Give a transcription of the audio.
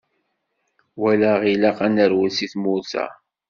walaɣ ilaq ad nerwel seg tmurt-a.